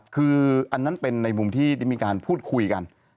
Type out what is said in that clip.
คืออันนั้นเป็นในมุมที่ได้มีการพูดคุยกัน